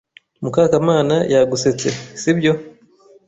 Mukakamana yagusetse, sibyo?